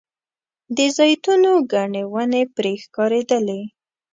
د زیتونو ګڼې ونې پرې ښکارېدلې.